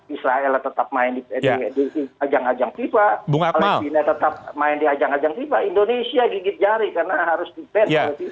israel tetap main di ajang ajang fifa palestina tetap main di ajang ajang fifa indonesia gigit jari karena harus dipenu